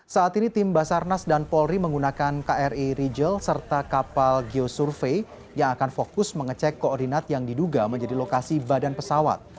saat ini tim basarnas dan polri menggunakan kri rigel serta kapal geosurvey yang akan fokus mengecek koordinat yang diduga menjadi lokasi badan pesawat